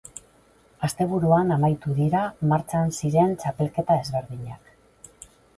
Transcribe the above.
Asteburuan amaitu dira martxan ziren txapelketa ezberdinak.